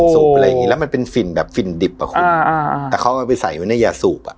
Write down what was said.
สูบอะไรอย่างงี้แล้วมันเป็นฝิ่นแบบฝิ่นดิบอ่ะคุณอ่าแต่เขาเอาไปใส่ไว้ในยาสูบอ่ะ